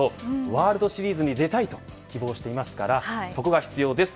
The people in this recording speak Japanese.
ワールドシリーズに出たいと希望していますからそこが必要です。